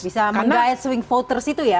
bisa menggait swing voters itu ya